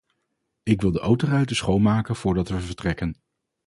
Ik wil de autoruiten schoonmaken voordat we vertrekken.